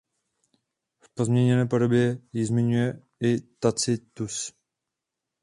V pozměněné podobě ji zmiňuje i Tacitus.